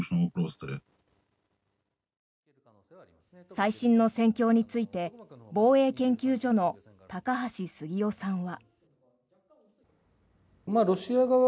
最新の戦況について防衛研究所の高橋杉雄さんは。